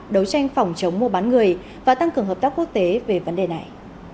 đấu tranh phòng chống mua bán người và tăng cường hợp tác quốc tế về vấn đề này